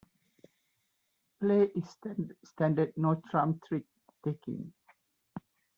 Play is standard no-trump trick-taking.